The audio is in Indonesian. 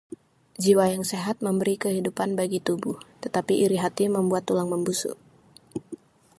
Jiwa yang sehat memberi kehidupan bagi tubuh, tetapi iri hati membuat tulang membusuk.